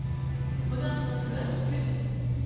このあと詳しく。